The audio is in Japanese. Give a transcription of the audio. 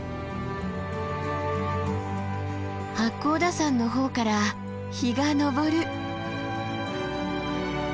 八甲田山の方から日が昇る。